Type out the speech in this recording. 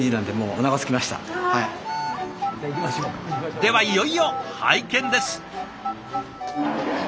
ではいよいよ拝見です。